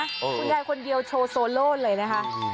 คุณยายคนเดียวโชว์โซโล่เลยนะคะ